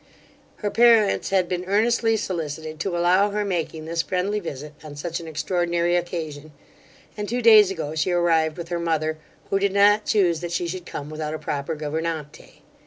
Her parents had been earnestly sollicited to allow her making this friendly visit on such an extraordinary occasion; and two days ago she arrived with her mother, who did not chuse that she should come without a proper gouvernante.